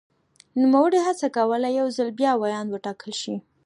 نوموړي هڅه کوله یو ځل بیا ویاند وټاکل شي.